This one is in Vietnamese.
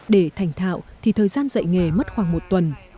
để thành thạo thì thời gian dạy nghề mất khoảng một tuần